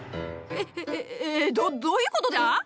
えっえどどういうことじゃ？